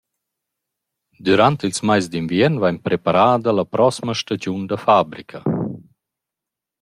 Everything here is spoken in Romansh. Dürant ils mais d’inviern vain preparada la prosma stagiun da fabrica.